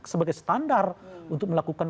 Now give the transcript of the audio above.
sebagai standar untuk melakukan